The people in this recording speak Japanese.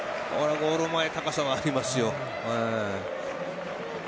ゴール前、高さはありますよ。